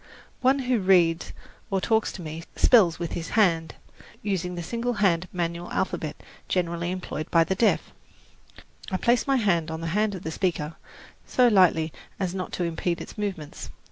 One who reads or talks to me spells with his hand, using the single hand manual alphabet generally employed by the deaf. I place my hand on the hand of the speaker so lightly as not to impede its movements.